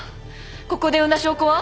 ここで産んだ証拠は？